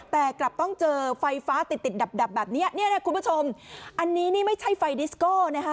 แต่กลับต้องเจอไฟฟ้าติดดับแบบนี้คุณผู้ชมอันนี้ไม่ใช่ไฟดิสโก